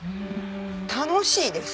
楽しいです。